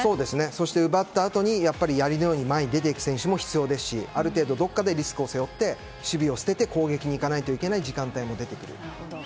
そして奪ったあとにやりのように前に出て行く選手も必要ですしある程度どこかでリスクを背負って、守備を捨てて攻撃に行かないといけない時間帯も出てきます。